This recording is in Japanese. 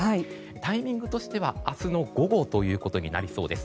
タイミングとしては明日の午後となりそうです。